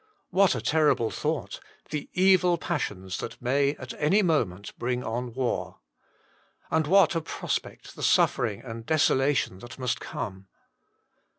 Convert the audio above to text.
What a terrible thought ! the evil passions that may at any moment bring on war. And what a prospect the suffering and desolation that must come.